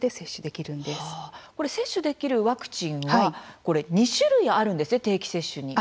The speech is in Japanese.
接種できるワクチンは２種類あるんですね、定期接種に。